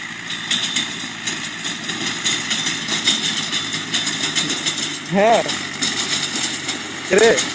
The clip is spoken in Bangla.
ঘরোয়া প্রথম-শ্রেণীর অস্ট্রেলীয় ক্রিকেটে ভিক্টোরিয়া ও ইংরেজ কাউন্টি ক্রিকেটে ডারহাম দলের প্রতিনিধিত্ব করেন।